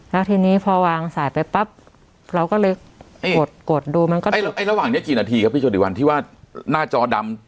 แล้วทีนี้พอวางสายไปปั๊บเราก็เลยกดกดดูมันก็ไอ้ระหว่างนี้กี่นาทีครับพี่โชติวันที่ว่าหน้าจอดำ